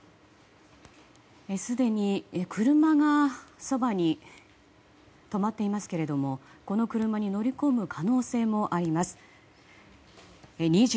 すでに車がそばに止まっていますがこの車に乗り込む可能性もあります。